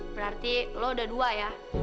berarti lo udah dua ya